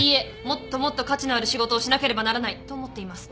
もっともっと価値のある仕事をしなければならないと思っています。